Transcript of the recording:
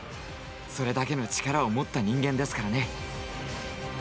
それだけの力を持った人間ですからね。